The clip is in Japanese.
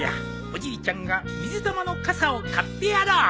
おじいちゃんが水玉の傘を買ってやろう。